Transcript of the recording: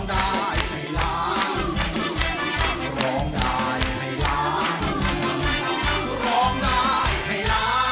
มันมาแล้วร้องได้ให้ล้าน